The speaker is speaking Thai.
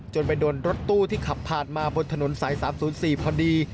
ไปโดนรถตู้ที่ขับผ่านมาบนถนนสาย๓๐๔พอดี